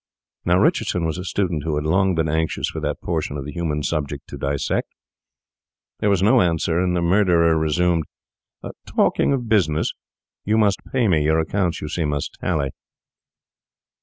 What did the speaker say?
Now Richardson was a student who had long been anxious for that portion of the human subject to dissect. There was no answer, and the murderer resumed: 'Talking of business, you must pay me; your accounts, you see, must tally.